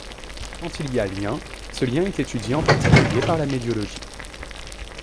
Quand il y a lien, ce lien est étudié en particulier par la médiologie.